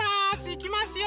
いきますよ。